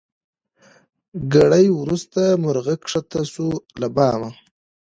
ګړی وروسته مرغه کښته سو له بامه